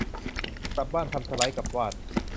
กลับบ้าน ทำสไลด์กับวาด